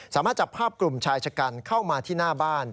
สามารถจับภาพกลุ่มชายชะกันเข้ามาที่หน้าบ้าน